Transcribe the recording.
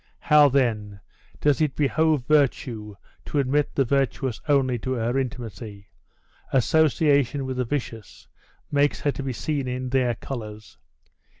How, then, does it behove virtue to admit the virtuous only to her intimacy: association with the vicious makes her to be seen in their colors!